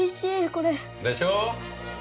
これ。でしょう？